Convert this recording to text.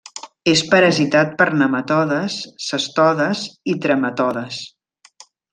És parasitat per nematodes, cestodes i trematodes.